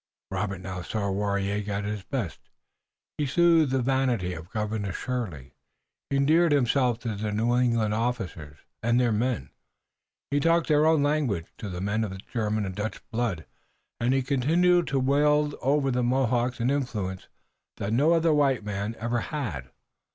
Robert now saw Waraiyageh at his best. He soothed the vanity of Governor Shirley. He endeared himself to the New England officers and their men. He talked their own languages to the men of German and Dutch blood, and he continued to wield over the Mohawks an influence that no other white man ever had.